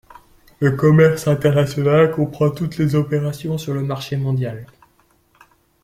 Le commerce international comprend toutes les opérations sur le marché mondial.